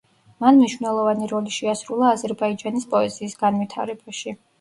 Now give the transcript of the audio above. მან მნიშვნელოვანი როლი შეასრულა აზერბაიჯანის პოეზიის განვითარებაში.